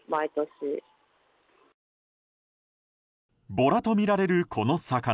ボラとみられる、この魚。